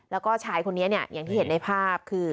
แล้วก็ชายคนนี้เนี่ยอย่างที่เห็นในภาพคือ